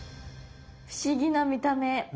不思議な見た目。